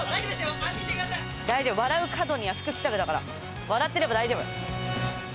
大丈夫、笑う門には福来たるだから、笑ってれば大丈夫。